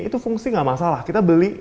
itu fungsi nggak masalah kita beli